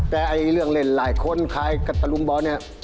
แต่เรื่องเล่นหลายคนคล้ายกับตะลุมบอล